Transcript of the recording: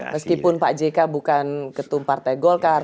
meskipun pak jk bukan ketum partai golkar